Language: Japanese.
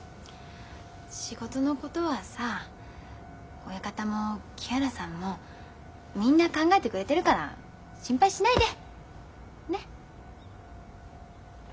仕事のことはさ親方も木原さんもみんな考えてくれてるから心配しないで！ね？